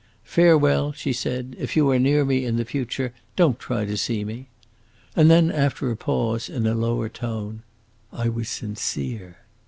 "Farewell," she said. "If you are near me in future, don't try to see me!" And then, after a pause, in a lower tone, "I was sincere!"